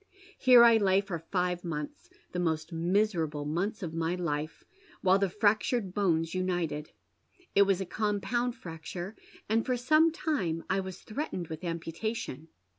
Here I lay for five months — the most miserable months of my hfe — while the frac tured bones united. It was a compound fracture, and for some time I was threatened with amputation.